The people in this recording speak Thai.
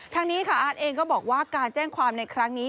ทางนี้ค่ะอาร์ตเองก็บอกว่าการแจ้งความในครั้งนี้